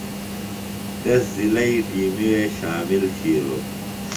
تس ضلعئی ٹِیمی وے شامل تِھیلوۡ۔